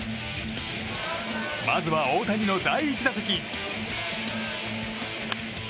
まずは大谷の第１打席。